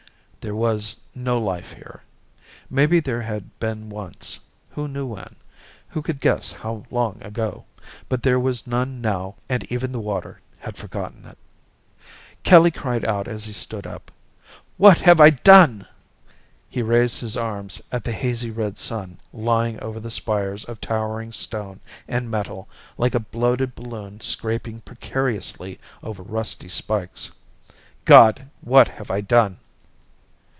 There was no life here. Maybe there had been once, who knew when, who could guess how long ago. But there was none now and even the water had forgotten it. Kelly cried out as he stood up. "What have I done?" He raised his arms at the hazy red sun lying over the spires of towering stone and metal like a bloated balloon scraping precariously over rusty spikes. "God, what have I done?"